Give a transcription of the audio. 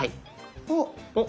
あっ。